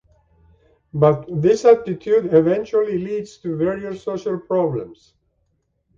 But this attitude eventually leads to various social problems.